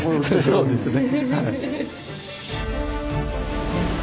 ええそうですね。